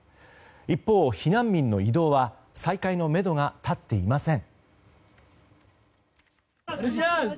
一方、避難民の移動は再開のめどは立っていません。